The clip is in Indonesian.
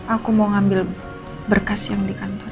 aku mau ngambil berkas yang dikantor